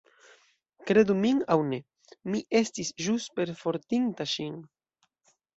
Kredu min aŭ ne, mi estis ĵus perfortinta ŝin.